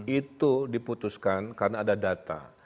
itu diputuskan karena ada data